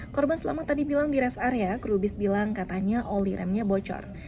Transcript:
korban selamat tadi bilang di rest area krubis bilang katanya oli remnya bocor